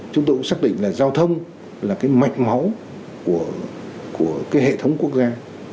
chúng tôi cũng xác định là giao thông là mạch máu của hệ thống quốc gia